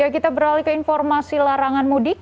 kita beralih ke informasi larangan mudik